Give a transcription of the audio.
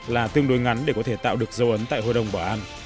là tương đối ngắn để có thể tạo được dấu ấn tại hội đồng bảo an